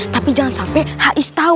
tapi jangan sampai hais tahu